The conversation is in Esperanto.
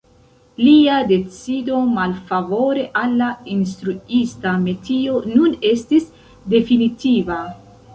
Lia decido malfavore al la instruista metio nun estis definitiva.